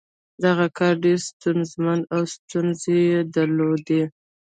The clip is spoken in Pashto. دغه کار ډېر ستونزمن و او ستونزې یې درلودې